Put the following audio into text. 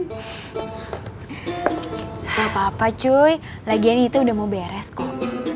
gapapa cuy lagian itu udah mau beres kok